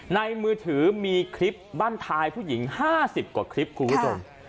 ในมือถือมีคลิปบ้านไทยผู้หญิงห้าสิบกว่าคลิปคุณผู้ชมค่ะ